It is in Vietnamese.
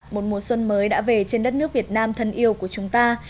một mùa xuân mới đã về trên đất nước việt nam thân yêu của chúng ta